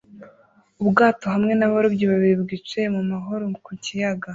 Ubwato hamwe nabarobyi babiri bwicaye mumahoro ku kiyaga